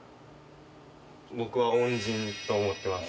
僕は恩人と思ってます。